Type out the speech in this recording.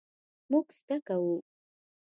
مونږ زده کوو